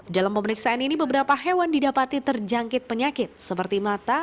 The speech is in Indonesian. dalam pemeriksaan ini beberapa hewan didapati terjangkit penyakit seperti mata